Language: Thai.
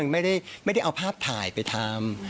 ไม่ได้เอาภาพถ่ายไปทำ